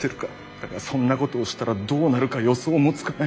だがそんなことをしたらどうなるか予想もつかない。